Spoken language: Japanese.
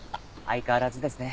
相変わらずですね。